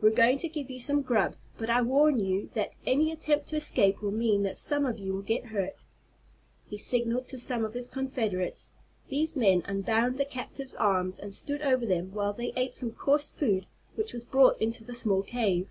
We're going to give you some grub, but I warn you that any attempt to escape will mean that some of you will get hurt." He signalled to some of his confederates. These men unbound the captives' arms, and stood over them while they ate some coarse food that was brought into the small cave.